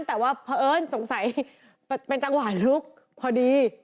แต่ว่าเพราะเอิญสงสัยเป็นจังหวะลุกพอดี